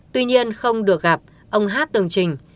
tuy nhiên không được gặp ông h từng trình